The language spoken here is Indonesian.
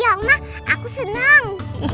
ya ma aku senang